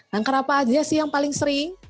kanker apa saja sih yang paling sering